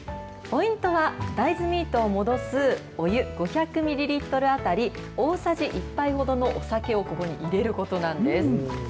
ポイントは大豆ミートを戻すお湯５００ミリリットル当たり、大さじ１杯ほどのお酒をここに入れることなんです。